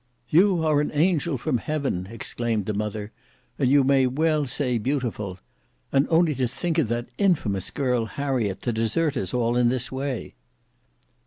"You are an angel from heaven," exclaimed the mother, "and you may well say beautiful. And only to think of that infamous girl, Harriet, to desert us all in this way."